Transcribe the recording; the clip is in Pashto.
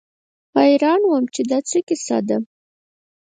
حيران وم چې دا څه کيسه ده.